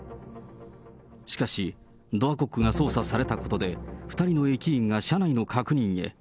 しかし、ドアコックが操作されたことで、２人の駅員が車内の確認へ。